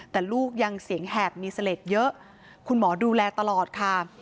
แต่ลูกยังเสียงแหบมีเสลดเยอะคุณหมอดูแลตลอดค่ะ